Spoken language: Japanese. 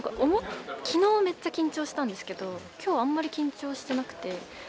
昨日めっちゃ緊張したんですけど今日あんまり緊張してなくて。